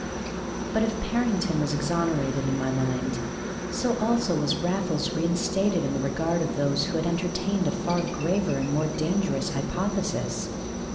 But if Parrington was exonerated in my mind, so also was Raffles reinstated in the regard of those who had entertained a far graver and more dangerous hypothesis.